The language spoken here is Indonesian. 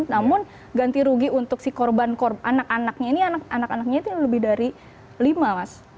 namun ganti rugi untuk si korban anak anaknya ini lebih dari lima mas